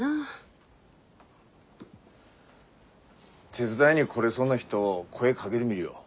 手伝いに来れそうな人声かげでみるよ。